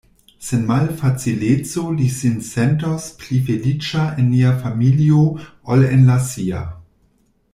Sen malfacileco li sin sentos pli feliĉa en nia familio ol en la sia.